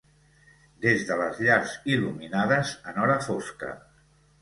Des de les llars il·luminades en hora fosca.